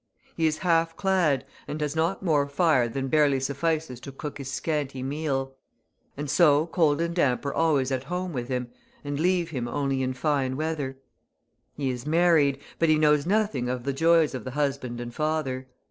He is half clad, and has not more fire than barely suffices to cook his scanty meal. And so cold and damp are always at home with him, and leave him only in fine weather. He is married, but he knows nothing of the joys of the husband and father.